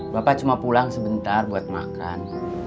bapak cuma pulang sebentar buat makan